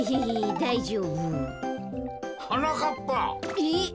えっ？